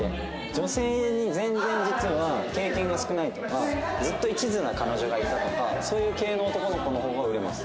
女性に全然実は経験が少ないとかずっと一途な彼女がいたとかそういう系の男の子の方が売れます。